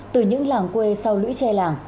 từ những làng quê sau lũy tre làng